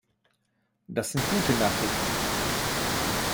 Das sind gute Nachrichten.